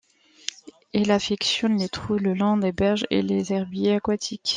Il affectionne les trous le long des berges et les herbiers aquatiques.